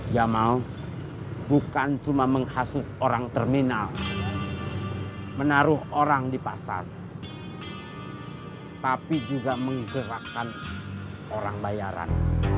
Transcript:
jamal bukan cuma menghasut orang terminal menaruh orang di pasar tapi juga menggerakkan orang bayaran